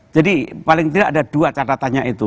jadi paling tidak ada dua catatannya itu